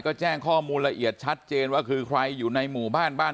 ก็แจ้งข้อมูลละเอียดชัดเจนว่าคือใครอยู่ในหมู่บ้านบ้าน